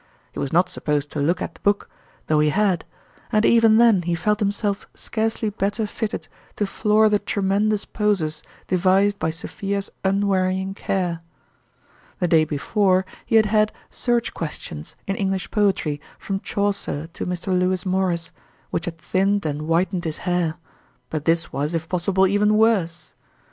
He was not supposed to look at the book, though he had ; and even then he felt himself scarcely better fitted to floor the tremendous posers de vised by Sophia's unwearying care. The day before, he had had "search ques tions" in English poetry from Chaucer to Mr. Lewis Morris, which had thinned and whitened his hair; but this was, if possible, even worse.